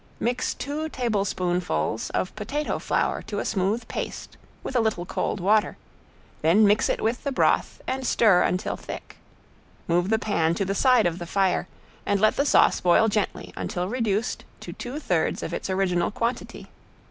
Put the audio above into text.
Mix two tablespoonfuls of potato flour to a smooth paste with a little cold water, then mix it with the broth and stir until thick. Move the pan to the side of the fire and let the sauce boil gently until reduced to two thirds of its original quantity.